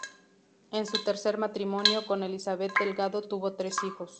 En su tercer matrimonio con Elizabeth Delgado tuvo tres hijos.